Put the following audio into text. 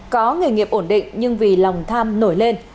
có nghề nghiệp ổn định nhưng vì lòng tham nổi lên